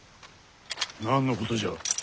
何のことじゃ。